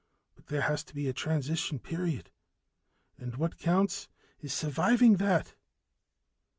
But there has to be a transition period, and what counts is surviving that."